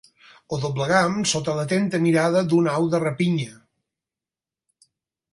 Ho dobleguem sota l'atenta mirada d'una au de rapinya.